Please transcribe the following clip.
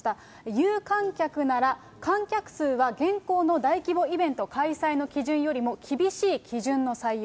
有観客なら、観客数は現行の大規模イベント開催の基準よりも厳しい基準の採用。